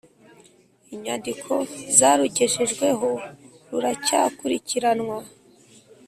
inyandiko zarugejejweho ruracyakurikiranwa